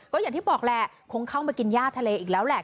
ก็อย่างที่บอกแหละคงเข้ามากินย่าทะเลอีกแล้วแหละ